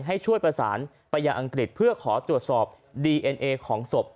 ให้ช่วยประสานไปยังอังกฤษเพื่อขอตรวจสอบดีเอ็นเอของศพ